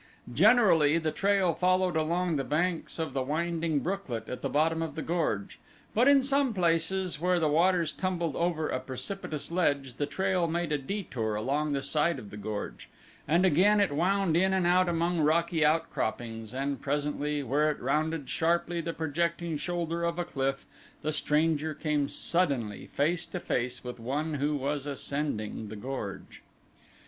Generally the trail followed along the banks of the winding brooklet at the bottom of the gorge, but in some places where the waters tumbled over a precipitous ledge the trail made a detour along the side of the gorge, and again it wound in and out among rocky outcroppings, and presently where it rounded sharply the projecting shoulder of a cliff the stranger came suddenly face to face with one who was ascending the gorge.